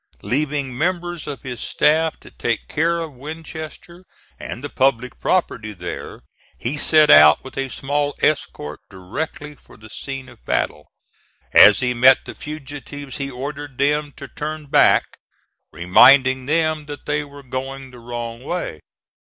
Leaving members of his staff to take care of Winchester and the public property there, he set out with a small escort directly for the scene of battle. As he met the fugitives he ordered them to turn back, reminding them that they were going the wrong way.